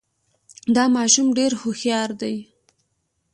دا ماشوم ډېر هوښیار دی.